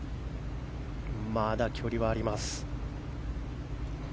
まだ距離はあります。